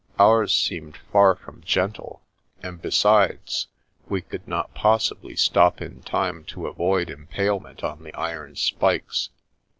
Ours seemed far from gentle, and besides, we could not possibly stop in time to avoid impalement on the iron spikes.